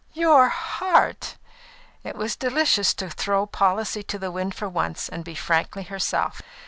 "Your heart!" It was delicious to throw policy to the wind for once and be frankly herself.